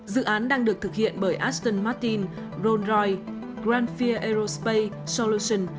dự án đang được thực hiện bởi aston martin rolls royce grandfair aerospace solutions